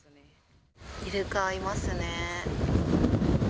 イルカ、いますね。